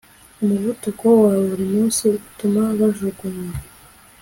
umuvuduko wa buri munsi utuma bajugunywa